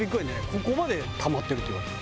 ここまでたまってるって言われたの。